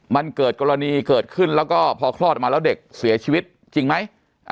มันเกิดกรณีเกิดขึ้นแล้วก็พอคลอดออกมาแล้วเด็กเสียชีวิตจริงไหม